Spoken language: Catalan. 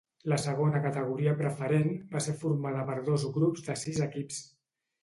La Segona Categoria Preferent va ser formada per dos grups de sis equips.